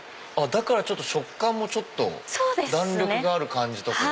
だから食感もちょっと弾力がある感じとかが。